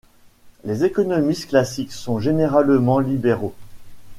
Les économistes classiques sont généralement libéraux.